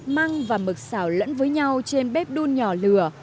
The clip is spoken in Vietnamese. măng và mực xào lẫn với nhau trên bếp đun nhỏ lửa